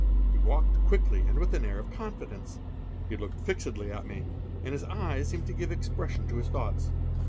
He walked quickly and with an air of confidence. He looked fixedly at me, and his eyes seemed to give expression to his thoughts.